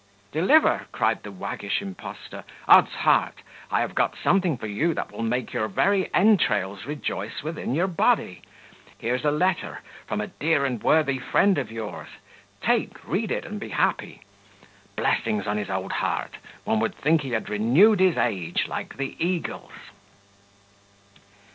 "Deliver!" cried the waggish impostor, "odds heart! I have got something for you that will make your very entrails rejoice within your body. Here's a letter from a dear and worthy friend of yours. Take, read it, and be happy. Blessings on his old heart! one would think he had renewed his age, like the eagle's."